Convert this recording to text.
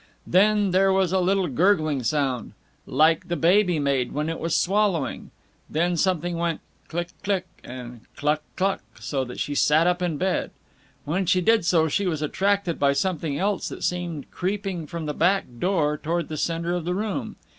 Then there was a little gurgling sound, "like the baby made when it was swallowing"; then something went "click click" and "cluck cluck," so that she sat up in bed. When she did so she was attracted by something else that seemed creeping from the back door toward the center of the room.